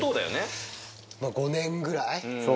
５年ぐらい？